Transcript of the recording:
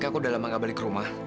kak aku udah lama gak balik rumah